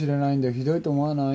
ひどいと思わない？」